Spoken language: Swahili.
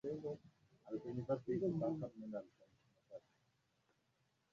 Abdullah Gul kwa hoja kwamba mkusanyiko wa bunge